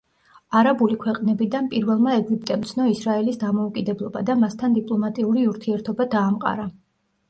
არაბული ქვეყნებიდან პირველმა ეგვიპტემ ცნო ისრაელის დამოუკიდებლობა და მასთან დიპლომატიური ურთიერთობა დაამყარა.